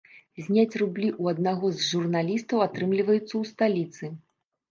Зняць рублі ў аднаго з журналістаў атрымліваецца ў сталіцы.